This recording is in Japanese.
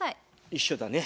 一緒だね。